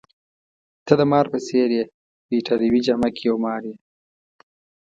ته د مار په څېر يې، په ایټالوي جامه کي یو مار یې.